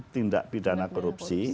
tindak pidana korupsi